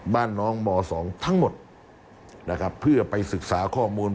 บ้านน้องม๒ทั้งหมดนะครับเพื่อไปศึกษาข้อมูล